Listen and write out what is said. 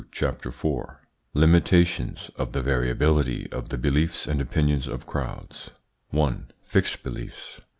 CHAPTER IV LIMITATIONS OF THE VARIABILITY OF THE BELIEFS AND OPINIONS OF CROWDS 1. FIXED BELIEFS.